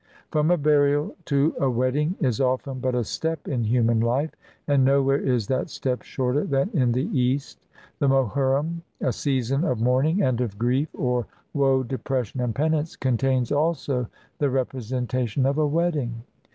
From a burial to a wedding is often but a step in human life, and nowhere is that step shorter than in the East. The Mohurrim, a season of mourning and of grief 206 THE FESTIVAL OF THE MOHURRIM — or woe, depression, and penance — contains also the representation of a wedding!